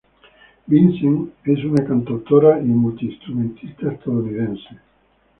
Vincent, es una cantautora y multiinstrumentista estadounidense.